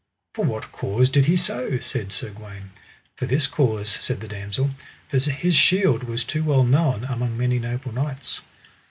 For what cause did he so? said Sir Gawaine. For this cause, said the damosel, for his shield was too well known among many noble knights.